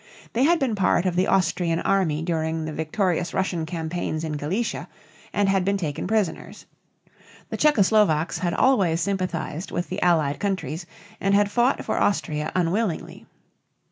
They had been part of the Austrian army during the victorious Russian campaigns in Galicia and had been taken prisoners. The Czecho Slovaks had always sympathized with the Allied countries and had fought for Austria unwillingly.